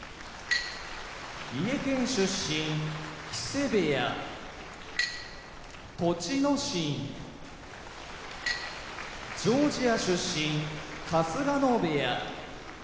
三重県出身木瀬部屋栃ノ心ジョージア出身春日野部屋